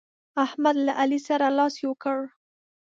احمد له علي سره لاس يو کړ.